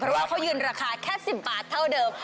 เพราะว่าเขายืนราคาแค่๑๐บาทเท่าเดิม